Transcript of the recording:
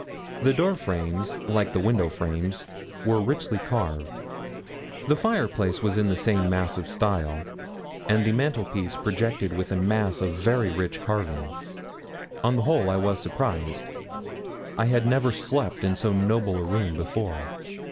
The door frames, like the window frames, were richly carved; the fireplace was in the same massive style, and the mantelpiece projected with a mass of very rich carving. On the whole I was surprised. I had never slept in so noble a room before.